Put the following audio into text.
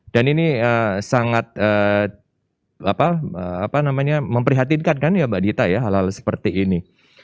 dan ini sangat memprihatinkan kan ya mbak dita ya hal hal seperti ini